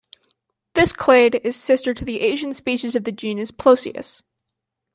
This clade is sister to the Asian species of the genus "Ploceus".